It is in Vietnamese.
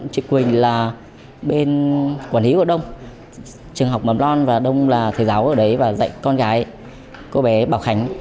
chị quỳnh là bên quản lý của đông trường học mầm non và đông là thầy giáo ở đấy và dạy con gái cô bé bảo khánh